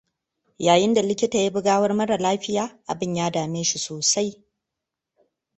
Yayinda likita ya bi gawar mara lafiya, abin ya dame shi sosai.